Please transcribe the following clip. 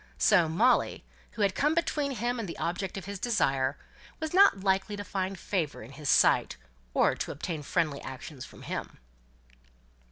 So, Molly, who had come between him and the object of his desire, was not likely to find favour in his sight, or to obtain friendly actions from him.